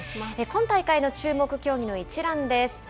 今大会の注目競技の一覧です。